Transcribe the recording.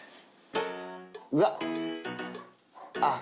うわっ。